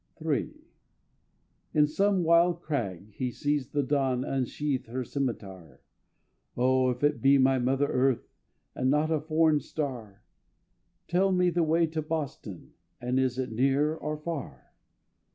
III On some wild crag he sees the dawn Unsheathe her scimitar. "Oh, if it be my mother earth, And not a foreign star, Tell me the way to Boston, And is it near or far?"